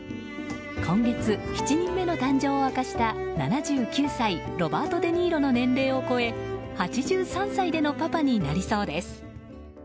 今月、７人目の誕生を明かした７９歳ロバート・デ・ニーロの年齢を超え８３歳でのパパになりそうです。